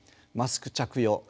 マスク着用